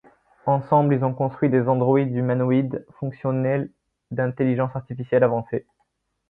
Ensemble, ils ont construit des androïdes humanoïdes fonctionnels d'intelligence artificielle avancée.